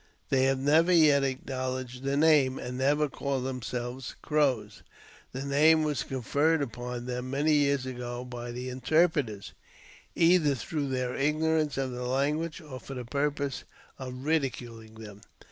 They have never yet acknow , ledged the name, and never call themselves Crows. The namel was conferred upon them many years ago by the interpreters , either through their ignorance of the language, or for the purpose of ridiculing them.